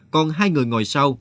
còn hai người ngồi sau